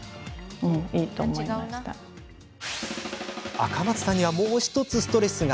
赤松さんにはもう１つストレスが。